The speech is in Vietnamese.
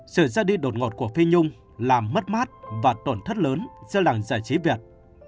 sự ra đi đột ngột của phi nhung làm mất mát và tổn thất lớn do làng giải trí việt